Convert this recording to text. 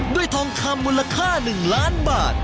ทองคำมูลค่า๑ล้านบาท